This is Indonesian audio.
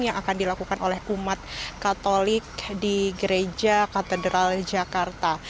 yang akan dilakukan oleh umat katolik di gereja katedral jakarta